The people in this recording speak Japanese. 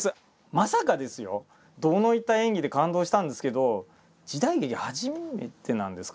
まさかですよ堂に入った演技で感動したんですけど時代劇初めてなんですか？